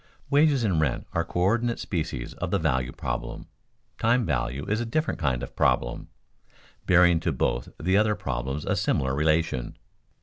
_Wages and rent are coördinate species of the value problem; time value is a different kind of problem, bearing to both the other problems a similar relation.